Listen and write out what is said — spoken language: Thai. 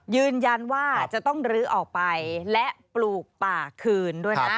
ยืนยันว่าจะต้องลื้อออกไปและปลูกป่าคืนด้วยนะ